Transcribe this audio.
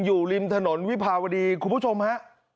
อยู่ริมถนนวิภาวดีคุณผู้ชมฮะ